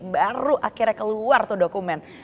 baru akhirnya keluar tuh dokumen